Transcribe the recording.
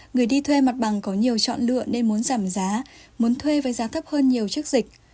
người đi thuê mặt bằng có nhiều chọn lựa nên muốn giảm giá muốn thuê với giá thấp hơn nhiều trước dịch